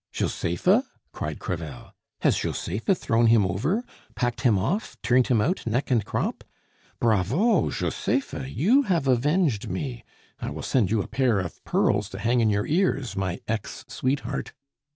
"Josepha?" cried Crevel. "Has Josepha thrown him over, packed him off, turned him out neck and crop? Bravo, Josepha, you have avenged me! I will send you a pair of pearls to hang in your ears, my ex sweetheart!